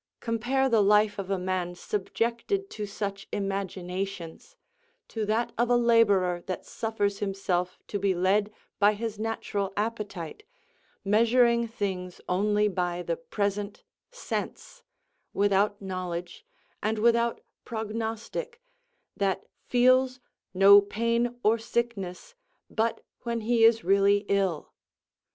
Compare the life of a man subjected to such imaginations, to that of a labourer that suffers himself to be led by his natural appetite, measuring things only by the present sense, without knowledge, and without prognostic, that feels no pain or sickness, but when he is really ill.